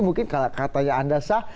mungkin katanya anda sah